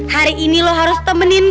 hari ini lo harus temenin